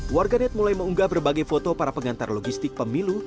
warganet mulai mengunggah berbagai foto para pengantar logistik pemilu